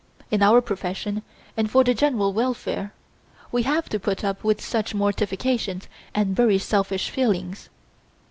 In our profession and for the general welfare, we have to put up with such mortifications and bury selfish feelings.